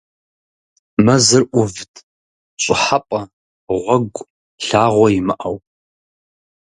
Мэзыр ӏувт, щӏыхьэпӏэ, гъуэгу, лъагъуэ имыӏэу.